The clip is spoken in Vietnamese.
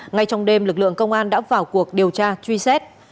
ngay trong đêm lực lượng công an đã vào cuộc điều tra truy xét